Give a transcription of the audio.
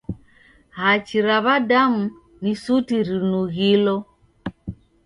Hachi ra w'adamu ni suti rinughilo.